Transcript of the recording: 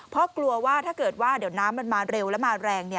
เพราะกลัวว่าถ้าเกิดว่าเดี๋ยวน้ำมันมาเร็วแล้วมาแรง